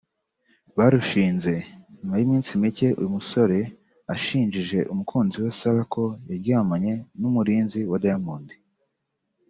Barushinze nyuma y'iminsi mike uyu musore ashinjije umukunzi we Sarah ko yaryamanye n'umurinzi wa Diamond